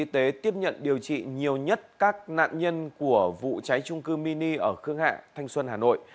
y tế tiếp nhận điều trị nhiều nhất các nạn nhân của vụ cháy trung cư mini ở khương hạ thanh xuân hà nội